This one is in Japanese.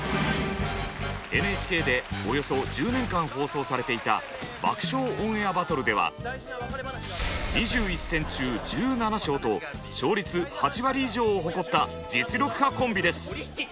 ＮＨＫでおよそ１０年間放送されていた「爆笑オンエアバトル」では２１戦中１７勝と勝率８割以上を誇った実力派コンビです。